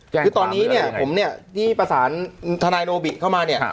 คือตอนนี้เนี่ยผมเนี่ยที่ประสานทนายโนบิเข้ามาเนี่ย